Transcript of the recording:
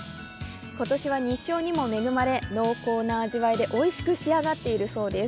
今年は日照にも恵まれ濃厚な味わいでおいしく仕上がっているそうです。